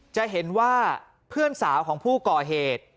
จะเห็นว่าเพื่อนสาวของผู้ก่อเหตุ